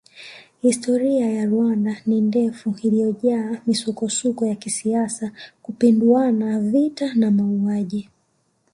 Historia ya Rwanda ni ndefu iliyojaa misukosuko ya kisiasa kupinduana vita na mauaji